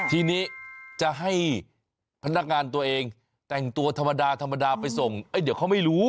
ทีนี้จะให้พนักงานตัวเองแต่งตัวธรรมดาธรรมดาไปส่งเดี๋ยวเขาไม่รู้